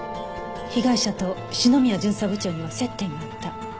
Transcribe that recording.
被害者と篠宮巡査部長には接点があった。